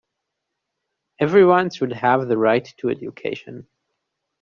Everyone should have the right to education.